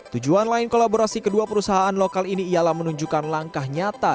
tujuan lain kolaborasi kedua perusahaan lokal ini ialah menunjukkan langkah nyata